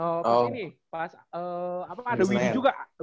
apa ada widi juga